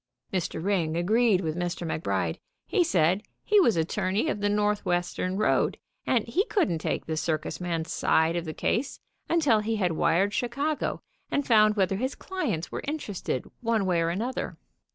Mr. Ring agreed with Mr. McBride. He said he was attorney of the North Western road and he couldn't take the circus man's side of the case until he had wired Chicago and found whether his clients were interested one way or another.